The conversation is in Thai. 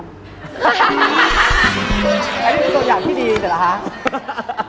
อันนี้เป็นส่วนอย่างพี่ดีแต่ละฮะ